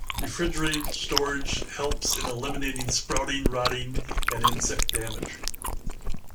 Refrigerated storage helps in eliminating sprouting, rotting and insect damage.